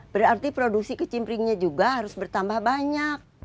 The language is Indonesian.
berarti produksi ke cimpringnya juga harus bertambah banyak